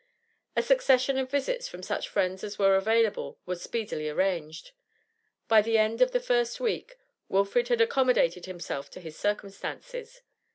A succession of visits from such friends as were available was speedily arranged. By the end of the first week, Wilfrid had accommodated himself to his circumstances.